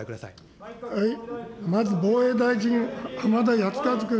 まず防衛大臣、浜田靖一君。